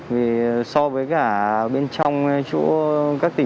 vì so với cả bên trong chỗ các tiệm